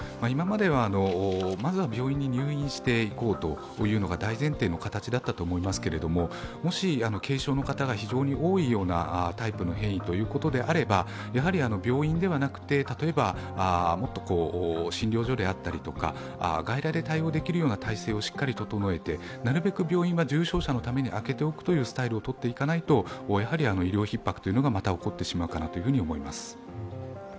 今まではまずは病院に入院していこうというのが大前提の形だったと思いますけれどももし軽症の方が非常に多いようなタイプの変異ということであれば病院ではなくて、例えば診療所であったりとか外来で対応できるような体制をしっかり整えてなるべく病院は重症者のために空けておくという体制をとらないと医療ひっ迫がまた起こってしまうかなと思います。